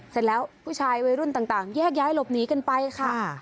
เสร็จแล้วผู้ชายวัยรุ่นต่างแยกย้ายหลบหนีกันไปค่ะ